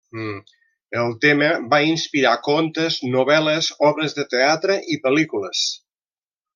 El tema va inspirar contes, novel·les, obres de teatre i pel·lícules.